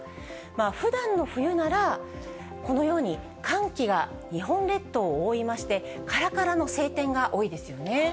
ふだんの冬なら、このように寒気が日本列島を覆いまして、からからの晴天が多いですよね。